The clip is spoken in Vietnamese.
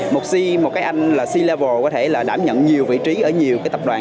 một c một cái anh là silevor có thể là đảm nhận nhiều vị trí ở nhiều cái tập đoàn